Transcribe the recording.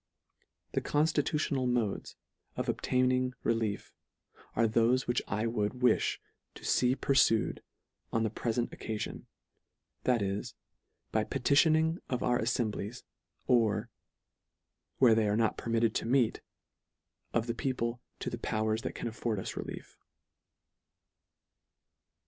The constitutional modes of obtaining re lief, are thofe which I would wifli to fee purfued on the prefent occafion, that is, by petitioning of our alfemblies, or, where they are not permitted to meet, of the people to the powers that can afford us relief.